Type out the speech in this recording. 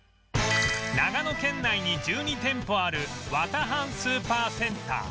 長野県内に１２店舗ある綿半スーパーセンター